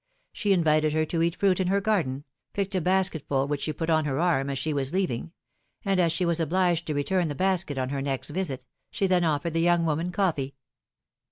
She invited her to eat fruit in her garden, picked a basketful which she put on her arm as she was leaving; and as she was obliged to return the basket on her next visit, she then offered the young woman coffee.